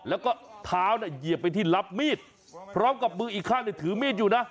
แล้วก็เท้าเนี่ยเหยียบไปที่รับมีดพร้อมกับมืออีกข้างถือมีดอยู่นะ